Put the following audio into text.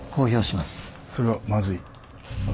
それはまずい。